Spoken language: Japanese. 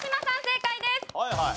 正解です。